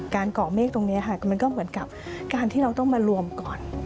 เกาะเมฆตรงนี้ค่ะมันก็เหมือนกับการที่เราต้องมารวมก่อน